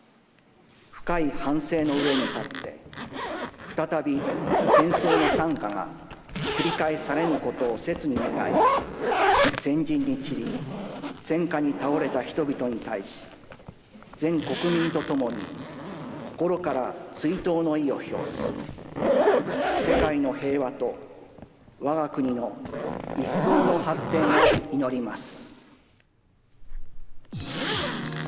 深い反省の上に立って、再び戦争の惨禍が繰り返されぬことを切に願い、戦陣に散り、戦禍に倒れた人々に対し、全国民と共に心から追悼の意を表し、世界の平和とわが国の一層の発展を祈ります。